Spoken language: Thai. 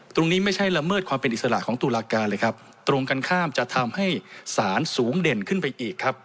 ตรงนี้ไม่ใช่ละเมิดความเป็นอิสระของตุลาการเลยครับตรงกันข้ามจะทำให้สารสูงเด่นขึ้นไปอีกครับ